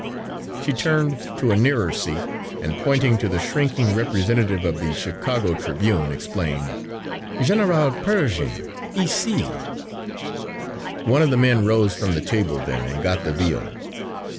She turned to a nearer seat and pointing to the shrinking representative of the Chicago Tribune explained, "General Pearshing ici." One of the men rose from the table then and got the veal.